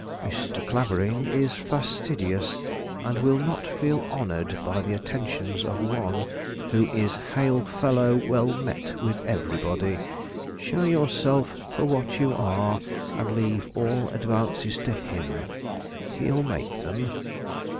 Mr. Clavering is fastidious, and will not feel honored by the attentions of one who is hail fellow well met with everybody. Show yourself for what you are, and leave all advances to him; he'll make them."